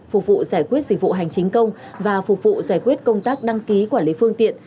phục vụ giải quyết dịch vụ hành chính công và phục vụ giải quyết công tác đăng ký quản lý phương tiện